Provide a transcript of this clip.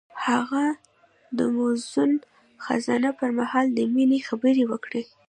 هغه د موزون خزان پر مهال د مینې خبرې وکړې.